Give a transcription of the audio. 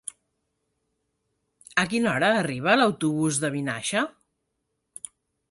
A quina hora arriba l'autobús de Vinaixa?